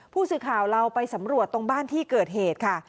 ผู้สื่อข่าวเราไปสำรวจตรงบ้านที่เกิดเหตุค่ะ